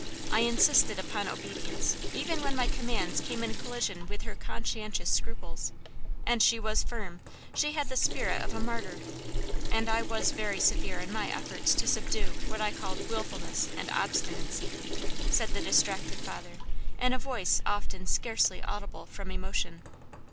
I insisted upon obedience, even when my commands came in collision with her conscientious scruples; and she was firm; she had the spirit of a martyr and I was very severe in my efforts to subdue what I called wilfulness and obstinacy," said the distracted father in a voice often, scarcely audible from emotion.